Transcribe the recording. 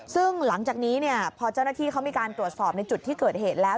ซึ่งหลังจากนี้พอเจ้าหน้าที่เขามีการตรวจสอบในจุดที่เกิดเหตุแล้ว